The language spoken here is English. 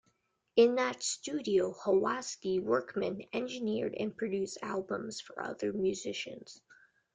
In that studio, Hawksley Workman engineered and produced albums for other musicians.